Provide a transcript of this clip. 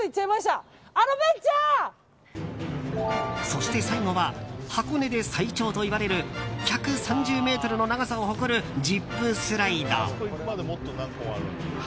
そして最後は箱根で最長といわれる１３０ｍの長さを誇るジップスライド。